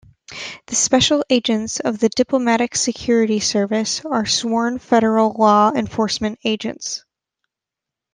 The special agents of the Diplomatic Security Service are sworn federal law enforcement agents.